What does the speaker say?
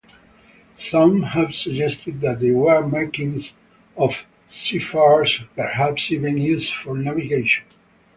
Some have suggested that they were markings of seafarers, perhaps even used for navigation.